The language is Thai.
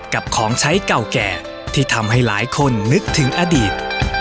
ของใช้เก่าแก่ที่ทำให้หลายคนนึกถึงอดีต